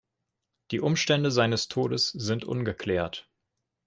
Die Umstände seines Todes sind ungeklärt.